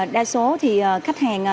đa số khách hàng